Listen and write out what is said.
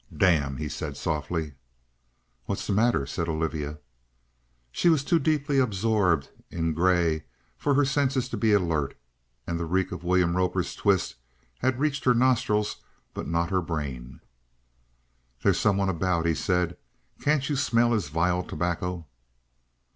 "Damn!" he said softly. "What's the matter?" said Olivia. She was too deeply absorbed in Grey for her senses to be alert, and the reek of William Roper's twist had reached her nostrils, but not her brain. "There's some one about," he said. "Can't you smell his vile tobacco?"